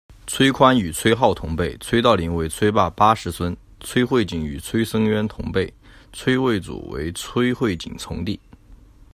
崔宽与崔浩同辈崔道林为崔霸八世孙崔慧景与崔僧渊同辈崔慰祖为崔慧景从弟